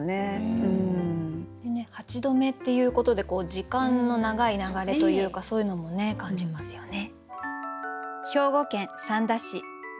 「八度目」っていうことで時間の長い流れというかそういうのも感じますよね。